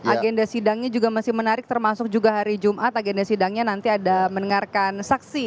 agenda sidangnya juga masih menarik termasuk juga hari jumat agenda sidangnya nanti ada mendengarkan saksi